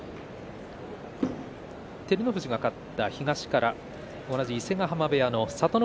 照ノ富士が勝って東から同じ伊勢ヶ濱部屋の聡ノ